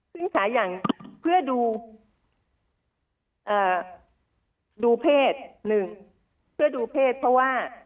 ซึ่งฉาอย่างเพื่อดูเพศหนึ่งเพื่อดูเพศเพราะว่า